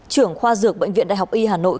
trưởng khoa dược bệnh viện đại học y hà nội